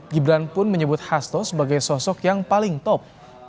gibran pun menyebut hasto sebagai sosok yang paling top